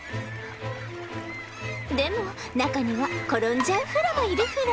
でも中には転んじゃうフラもいるフラ。